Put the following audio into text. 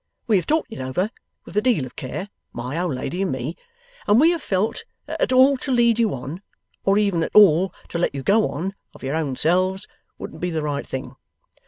We have talked it over with a deal of care (my old lady and me), and we have felt that at all to lead you on, or even at all to let you go on of your own selves, wouldn't be the right thing.